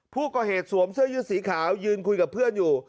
ผู้ก่อเหตุสวมเสื้อยุ่นสีขาวยืนคุยกับเพื่อนอยู่